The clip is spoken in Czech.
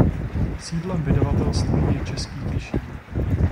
Sídlem vydavatelství je Český Těšín.